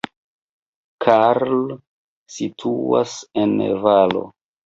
Karl situas en valo.